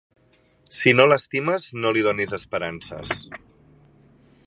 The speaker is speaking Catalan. Si no l'estimes, no li donis esperances.